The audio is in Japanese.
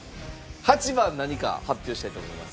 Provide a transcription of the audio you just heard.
８番何か発表したいと思います。